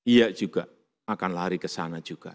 ia juga akan lari ke sana juga